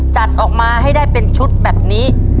จัดออกมาให้ได้เป็นชุดแบบนี้